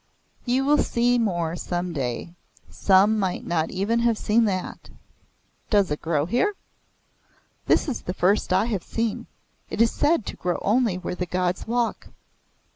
"You will see more some day. Some might not even have seen that." "Does it grow here?" "This is the first I have seen. It is said to grow only where the gods walk.